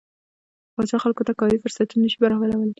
پاچا خلکو ته کاري فرصتونه نشي برابرولى.